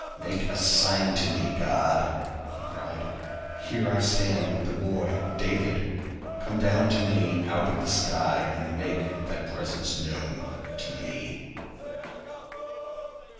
"Make a sign to me, God," he cried. "Here I stand with the boy David. Come down to me out of the sky and make Thy presence known to me."